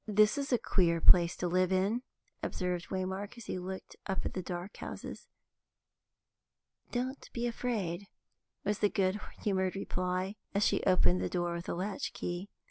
"This is a queer place to live in," observed Waymark, as he looked up at the dark houses. "Don't be afraid," was the good humoured reply, as she opened the door with a latch key.